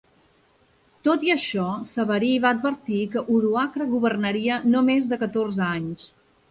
Tot i això, Severí va advertir que Odoacre governaria no més de catorze anys.